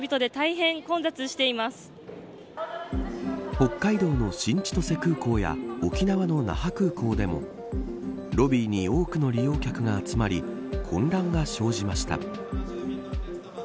北海道の新千歳空港や沖縄の那覇空港でもロビーに多くの利用客が集まり混乱が生じました。